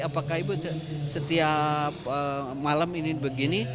apakah ibu setiap malam ini begini